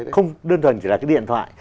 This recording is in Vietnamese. không đơn thuần chỉ là cái điện thoại